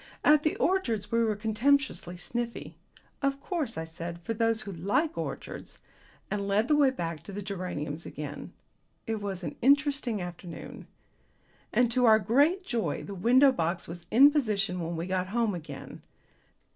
At the orchids we were contemptuously sniffy. "Of course," I said, "for those who like orchids " and led the way back to the geraniums again. It was an interesting afternoon. And to our great joy the window box was in position when we got home again.